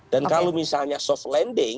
dan kalau misalnya soft landing